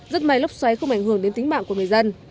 rất may lốc xoáy không ảnh hưởng đến tính mạng của người dân